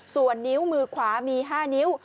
ส่วนนิ้วมือขวามี๕นิ้ว